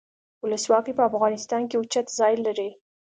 ولسواکي په افغانستان کې اوچت ځای لري.